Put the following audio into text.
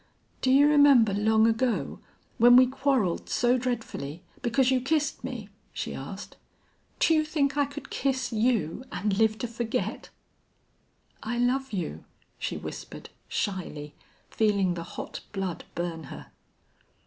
"Do you remember long ago when we quarreled so dreadfully because you kissed me?" she asked. "Do you think I could kiss you and live to forget?" "I love you!" she whispered, shyly, feeling the hot blood burn her.